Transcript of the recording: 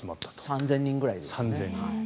３０００人ぐらいです。